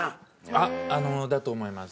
あっだと思います。